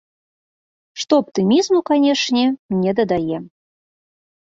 Што аптымізму, канешне, не дадае.